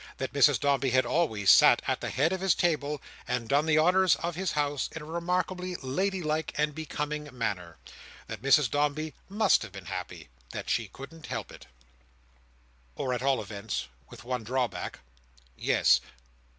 That Mrs Dombey had always sat at the head of his table, and done the honours of his house in a remarkably lady like and becoming manner. That Mrs Dombey must have been happy. That she couldn't help it. Or, at all events, with one drawback. Yes.